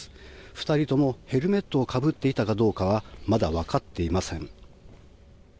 ２人とも、ヘルメットをかぶっていたかどうかはまだ分かっていません。